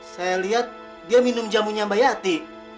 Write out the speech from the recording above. saya lihat dia minum jamunya mbak yati